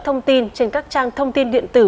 thông tin trên các trang thông tin điện tử